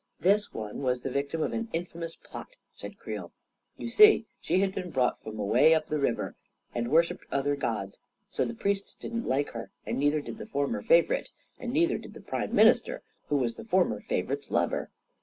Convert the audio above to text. " This one was the victim of an infamous plot," said Creel. u You see, she had been brought from away up the river, and worshipped other gods; so the priests didn't like her, and neither did the former favorite, and neither did the prime minister, who was the former favorite's lover.